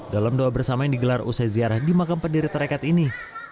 dalam doa bersama yang digelar usai ziarah di makam pendiri tarekat ini